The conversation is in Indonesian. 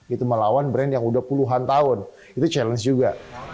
itu melawan brand yang udah puluhan tahun itu challenge juga